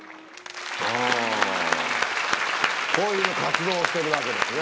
こういう活動をしてるわけですね